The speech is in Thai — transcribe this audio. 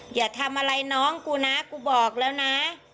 อย่าทำอะไรน้องกูนะกูบอกแล้วนะ